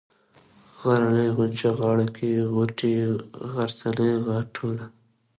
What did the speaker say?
غرنۍ ، غونچه ، غاړه كۍ ، غوټۍ ، غرڅنۍ ، غاټوله